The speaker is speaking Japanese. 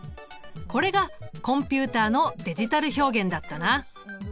これがコンピュータのデジタルの表現だったな。